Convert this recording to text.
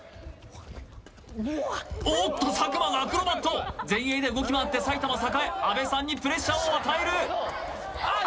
おっと佐久間がアクロバット前衛で動き回って埼玉栄・阿部さんにプレッシャーを与えるあっ！